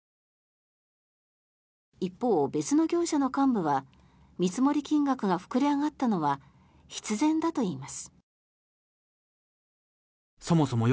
一方、別の業者の幹部は見積もり金額が膨れ上がったのは必然だといいます。